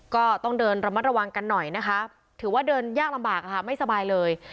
ก็ต้องเดินระมัดระวังกันหน่อยนะคะถือว่าเดินยากลำบากค่ะไม่สบายเลย